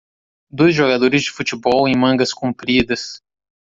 dois jogadores de futebol em mangas compridas